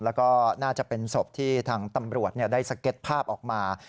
แล้วก็น่าจะเป็นศพที่ทางตำรวจได้สเก็ตภาพออกมา